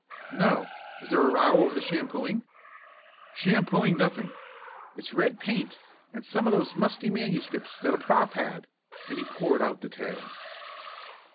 "No. Is there a row over the shampooing?" "Shampooing nothing! It's red paint, and some of those musty manuscripts that a prof. had," and he poured out the tale.